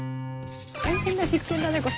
大変な実験だねこれ。